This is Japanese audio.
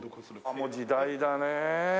もう時代だねえ。